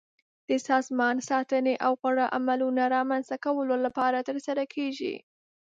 د سازمان ساتنې او غوره عملونو رامنځته کولو لپاره ترسره کیږي.